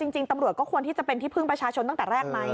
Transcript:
จริงตำรวจก็ควรที่จะเป็นที่พึ่งประชาชนตั้งแต่แรกไหม